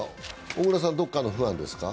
小椋さん、どこかのファンですか？